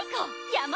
山！